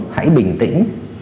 hãy bình tĩnh